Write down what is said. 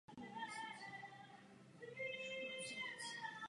Tyto údaje navrhla Rada a Parlament.